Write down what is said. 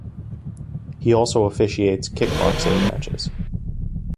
He also officiates kickboxing matches.